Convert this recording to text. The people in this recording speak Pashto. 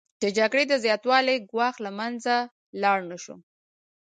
د جګړې د زیاتوالي ګواښ له منځه لاړ نشو